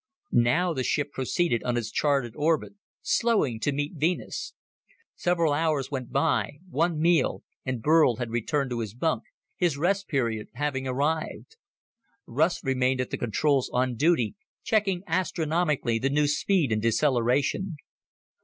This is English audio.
Now the ship proceeded on its charted orbit, slowing to meet Venus. Several hours went by, one meal, and Burl had returned to his bunk, his rest period having arrived. Russ remained at the controls on duty, checking astronomically the new speed and deceleration.